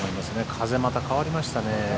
風、また変わりましたね。